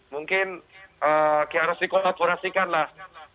mungkin harus dikolaborasikan lah